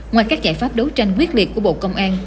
ngoài các giải pháp đấu tranh quyết liệt của bộ công an